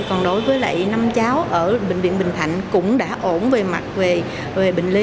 còn đối với lại năm cháu ở bệnh viện bình thạnh cũng đã ổn về mặt bệnh lý